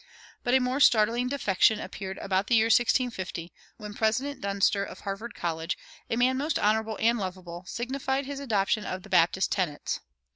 But a more startling defection appeared about the year 1650, when President Dunster of Harvard College, a man most honorable and lovable, signified his adoption of the Baptist tenets.